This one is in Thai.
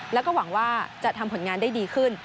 แล้วก็หวังว่าจะทำผลงานได้ดีขึ้น